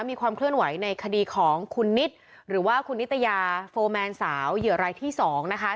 มีความเคลื่อนไหวในคดีของคุณนิดหรือว่าคุณนิตยาโฟร์แมนสาวเหยื่อรายที่๒นะคะ